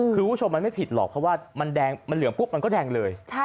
คือคุณผู้ชมมันไม่ผิดหรอกเพราะว่ามันแดงมันเหลืองปุ๊บมันก็แดงเลย